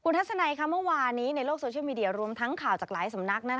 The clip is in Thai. ทัศนัยเมื่อวานนี้ในโลกโซเชียลมีเดียรวมทั้งข่าวจากหลายสำนัก